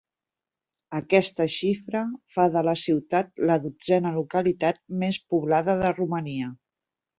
Aquesta xifra fa de la ciutat la dotzena localitat més poblada de Romania.